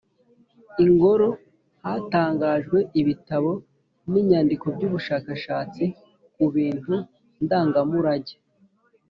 ingoro Hatangajwe ibitabo n inyandiko by ubushakashatsi ku bintu ndangamurage